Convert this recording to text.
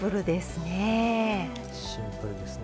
シンプルですね。